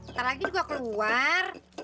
ntar lagi gua keluar